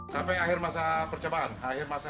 sampai akhir masa percobaan akhir masa